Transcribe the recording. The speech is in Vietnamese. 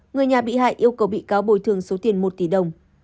người nhà bị hại yêu cầu bị cáo bồi thường số tiền một tỷ đồng